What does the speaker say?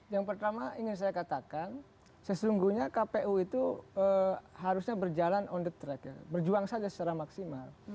yang pertama ingin saya katakan sesungguhnya kpu itu harusnya berjalan on the track berjuang saja secara maksimal